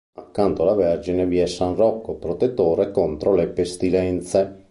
Accanto alla Vergine vi è san Rocco, protettore contro le pestilenze.